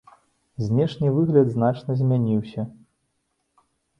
Знешні выгляд значна змяніўся.